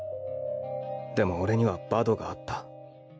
でも俺にはバドがあった。